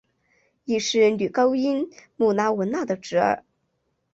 亦是女高音穆拉汶娜的侄儿。